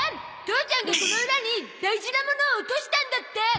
父ちゃんがこのウラに大事なものを落としたんだって！